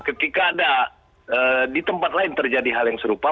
ketika ada di tempat lain terjadi hal yang serupa